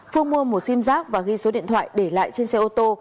phương mua một sim giác và ghi số điện thoại để lại trên xe ô tô